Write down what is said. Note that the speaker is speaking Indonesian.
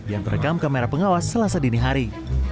yang terekam kamera pengawas selasa dini hari